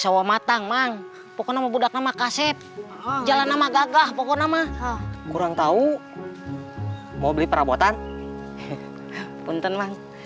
bang langsung ke rumah